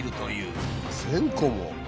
１，０００個も！？